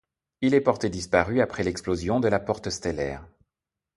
Il est porté disparu après l'explosion de la Porte Stellaire.